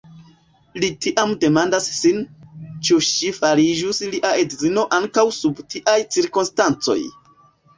Li tiam demandas sin, ĉu ŝi fariĝus lia edzino ankaŭ sub tiaj cirkonstancoj.